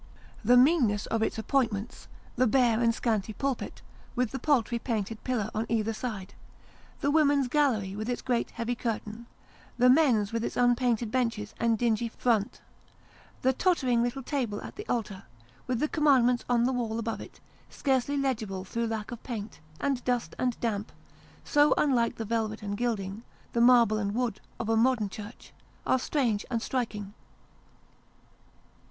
The meanness of its appoint ments the bare and scanty pulpit, with the paltry painted pillars on either side the women's gallery with its great heavy curtain the men's with its unpainted benches and dingy front the tottering little table at the altar, with the commandments on the wall above it, scarcely legible through lack of paint, and dust and damp so unlike the velvet and gilding, the marble and wood, of a modern church are strange and striking.